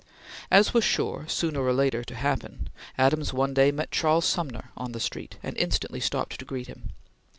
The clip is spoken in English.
As was sure, sooner or later, to happen, Adams one day met Charles Sumner on the street, and instantly stopped to greet him.